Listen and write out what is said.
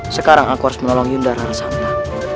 sekarang aku harus menolong yundara ransamta